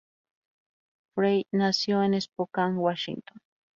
Fry nació en Spokane, Washington.